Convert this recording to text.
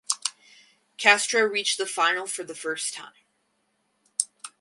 Castro reached the final for the first time.